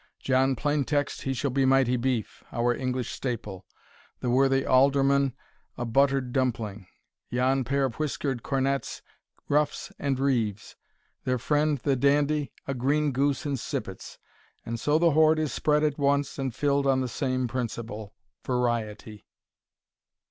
John Plaintext, He shall be mighty beef, our English staple; The worthy Alderman, a butter'd dumpling; Yon pair of whisker'd Cornets, ruffs and rees: Their friend the Dandy, a green goose in sippets. And so the hoard is spread at once and fill'd On the same principle Variety.